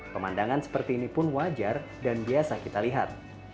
pemandangan seperti ini pun wajar dan biasa kita lihat